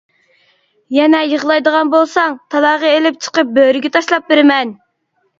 -يەنە يىغلايدىغان بولساڭ تالاغا ئېلىپ چىقىپ، بۆرىگە تاشلاپ بېرىمەن.